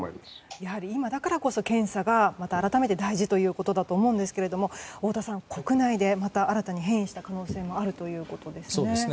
やはり今だからこそ検査がまた改めて大事ということだと思うんですが太田さん、国内でまた新たに変異した可能性があるということですね。